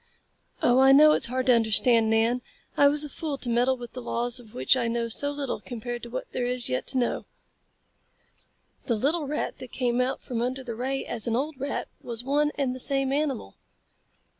"Oh, I know it's hard to understand, Nan. I was a fool to meddle with laws of which I know so little compared to what there is yet to know." "Then it's all true, Aaron. The little rat that came out from under the ray as an old rat was one and the same animal."